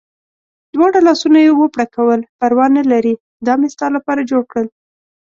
دواړه لاسونه یې و پړکول، پروا نه لرې دا مې ستا لپاره جوړ کړل.